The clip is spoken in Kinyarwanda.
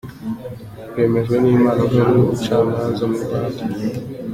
Rwemejwe n’inama nkuru y’ubucamanza mu Rwanda.